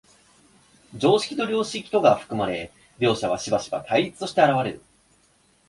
常識と良識とが含まれ、両者はしばしば対立して現れる。